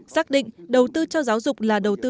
xác định đầu tư cho giáo dục là đầu tư